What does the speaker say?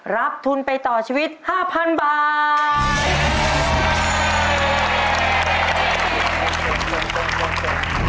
รับทุนไปต่อชีวิต๕๐๐๐บาท